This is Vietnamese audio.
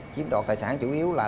chiếm đọt tài sản chủ yếu là